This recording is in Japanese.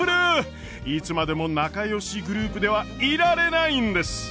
いつまでも仲よしグループではいられないんです！